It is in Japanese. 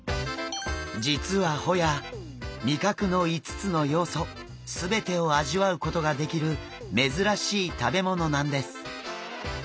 実はホヤ味覚の５つの要素全てを味わうことができる珍しい食べ物なんです。